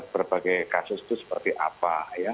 berbagai kasus itu seperti apa ya